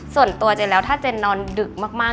ส่วนตัวเจนแล้วถ้าเจนนอนดึกมาก